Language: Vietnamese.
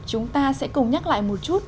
chúng ta sẽ cùng nhắc lại một chút